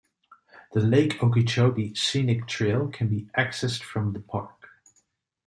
The Lake Okeechobee Scenic Trail can be accessed from the park.